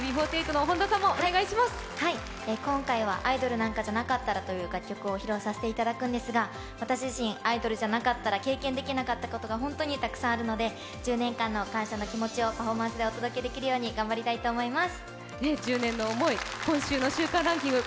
今回は「アイドルなんかじゃなかったら」という楽曲を披露させていただくんですが私自身、アイドルじゃなかったら経験できなかったことが本当にたくさんあるので、１０年間の感謝の気持ちをパフォーマンスでお届けできるように頑張りたいと思います。